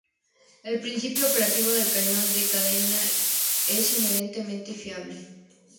El principio operativo del cañón de cadena es inherentemente fiable.